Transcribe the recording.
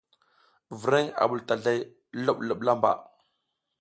Vreŋ a ɓul tazlay loɓloɓ lamba.